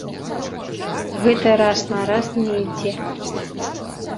Гэта раз на раз не ідзе.